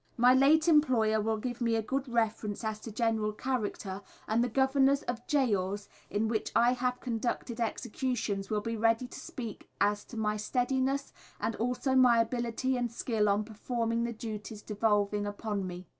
My late Employer will give me a good reference as to General character, and the Governors of Gaols in which I have conducted Executions will be ready to speak as to my steadiness and also my ability and skill on performing the duties devolving upon me.